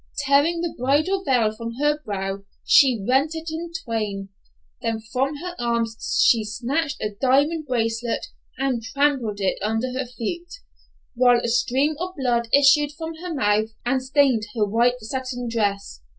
Tearing the bridal veil from her brow, she rent it in twain; then from her arm she snatched her diamond bracelet, and trampled it under her feet, while a stream of blood issued from her mouth and stained her white satin dress.